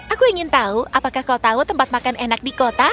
aku ingin tahu apakah kau tahu tempat makan enak di kota